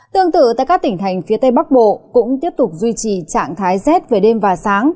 tương tự tại các tỉnh thành phía tây bắc bộ cũng tiếp tục duy trì trạng thái rét về đêm và sáng